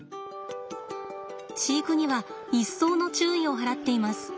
飼育には一層の注意を払っています。